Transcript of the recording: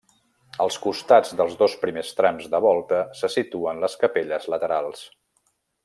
Als costats dels dos primers trams de volta se situen les capelles laterals.